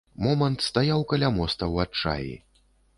Момант стаяў каля моста ў адчаі.